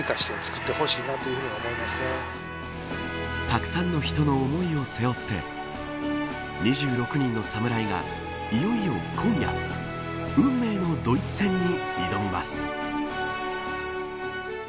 たくさんの人の思いを背負って２６人の侍がいよいよ今夜運命のドイツ戦に挑みます。